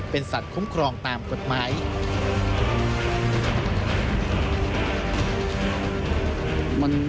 เป็นสัตว์คุ้มครองตามกฎหมาย